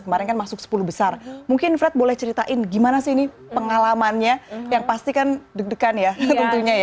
kemarin kan masuk sepuluh besar mungkin fred boleh ceritain gimana sih ini pengalamannya yang pasti kan deg degan ya tentunya ya